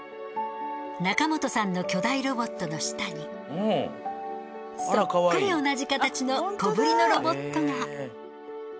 中元さんの巨大ロボットの下にそっくり同じ形の小ぶりのロボットが。